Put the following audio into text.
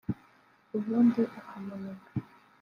ubundi akamuniga